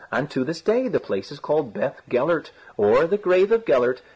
And to this day the place is called Beth Gellert, or the Grave of Gellert.